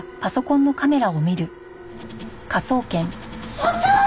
所長！